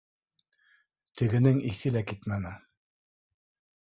Тегенең иҫе лә китмәне: